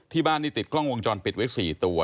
ที่บ้านนี่ติดกล้องวงจรปิดไว้๔ตัว